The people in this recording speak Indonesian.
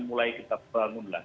mulai kita bangunlah